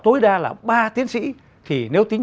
tối đa là ba tiến sĩ thì nếu tính